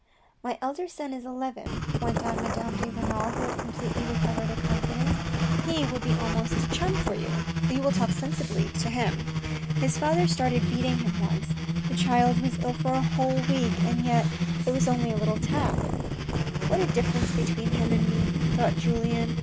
My elder son is eleven," went on Madame de Renal, who had completely recovered her confidence. " He will be almost a chum for you. You will talk sensibly to him. His father started beating him once. The child was ill for a whole week, and yet it was only a little tap." What a difference between him and me, thought Julien.